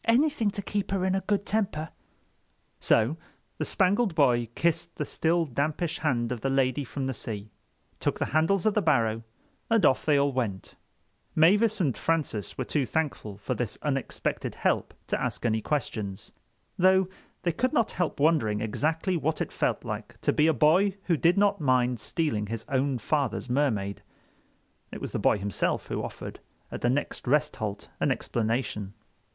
"Anything to keep her in a good temper." So the Spangled Boy kissed the still dampish hand of the Lady from the Sea, took the handles of the barrow and off they all went. [Illustration: "The police."] Mavis and Francis were too thankful for this unexpected help to ask any questions, though they could not help wondering exactly what it felt like to be a boy who did not mind stealing his own father's Mermaid. It was the boy himself who offered, at the next rest halt, an explanation.